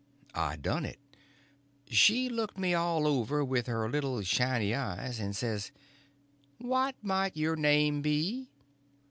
I done it. She looked me all over with her little shiny eyes, and says: "What might your name be?"